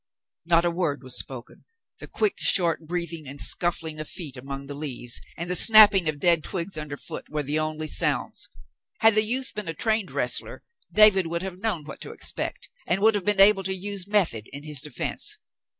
Not a word was spoken. The quick, short breathing, the scufiling of feet among the leaves, and the snapping of dead twigs underfoot were the only sounds. Had the youth been a trained wrestler, David would have known what to expect, and would have been able to use method in his defence.